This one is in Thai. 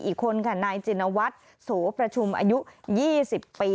อีกคนค่ะนายจินวัฒน์โสประชุมอายุ๒๐ปี